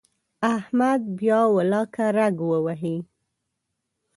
احمد بیا ولاکه رګ ووهي.